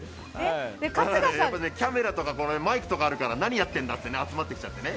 キャメラとかマイクとかあるから何やってるんだって人集まってきちゃってね。